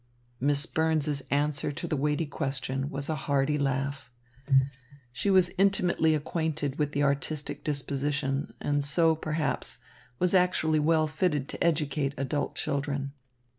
Miss Burns's answer to the weighty question was a hearty laugh. She was intimately acquainted with the artistic disposition and so, perhaps, was actually well fitted to educate adult children.